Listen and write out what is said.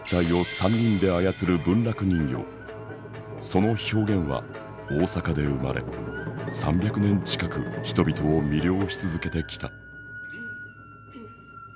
その表現は大阪で生まれ３００年近く人々を魅了し続けてきた。